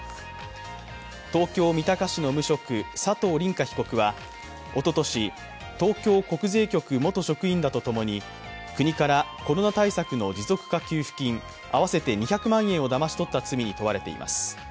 東京・三鷹市の無職佐藤凛果被告は、おととし、東京国税局元職員らとともに国からのコロナ対策の持続化給付金、合わせて２００万円をだまし取った罪に問われています。